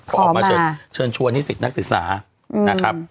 ก็ออกมาเชิญชวนนิสิตนักศึกษานะครับ